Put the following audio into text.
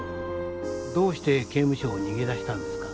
どうして刑務所を逃げ出したんですか？